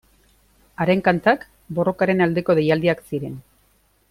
Haren kantak borrokaren aldeko deialdiak ziren.